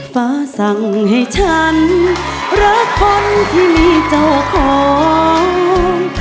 ฟ้าสั่งให้ฉันรักคนที่มีเจ้าของ